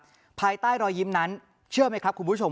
ภายใต้รอยยิ้มนั้นเชื่อไหมครับคุณผู้ชม